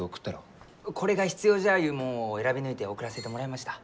これが必要じゃゆうもんを選び抜いて送らせてもらいました。